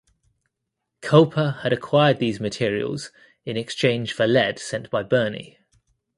Culper had acquired these materials in exchange for lead sent by Birnie.